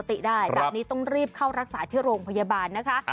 ปกติได้แบบนี้ต้องรีบเข้ารักษาที่โรงพยาบาลนะคะ